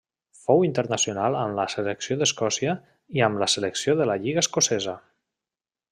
Fou internacional amb la selecció d'Escòcia i amb la selecció de la lliga escocesa.